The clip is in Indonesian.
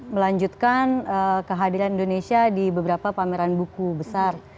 melanjutkan kehadiran indonesia di beberapa pameran buku besar